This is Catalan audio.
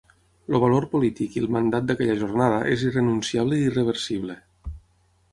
El valor polític i el mandat d’aquella jornada és irrenunciable i irreversible.